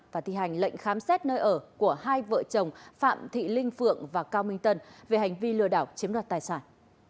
và thi hành lệnh khám xét nơi ở của hai vợ chồng phạm thị linh phượng và cao minh tân về hành vi lừa đảo chiếm đoạt tài sản